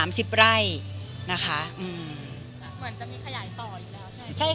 เหมือนจะมีขยายต่ออีกแล้วใช่ไหม